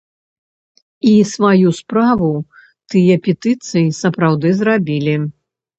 І сваю справу тыя петыцыі сапраўды зрабілі.